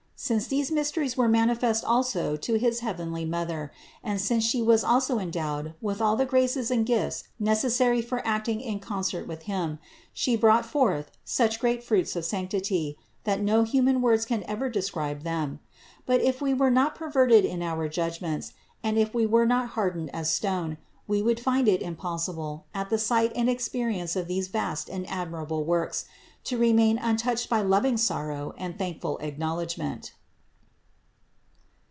Since these mysteries were manifest also to his heavenly Mother and since She was also endowed with all the graces and gifts necessary for acting in concert with Him, She brought forth such great fruits of sanctity, that no human words can ever describe them. But if we were not perverted in our judgments, and if we were not hardened as stone, we would find it impossible, at the sight and experience of these vast and admirable works, to remain untouched by loving sorrow and thankful acknowledgment.